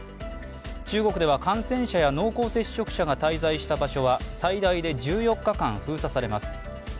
中国では感染者や濃厚接触者が滞在した場所は最大で１４日間封鎖されます。